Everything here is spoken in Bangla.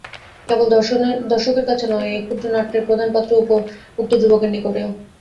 কেবল দর্শকের কাছে নহে, এই ক্ষুদ্র নাট্যের প্রধান পাত্র উক্ত যুবকের নিকটেও।